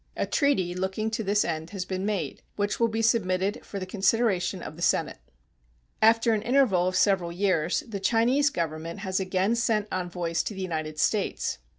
A treaty looking to this end has been made, which will be submitted for the consideration of the Senate. After an interval of several years the Chinese Government has again sent envoys to the United States.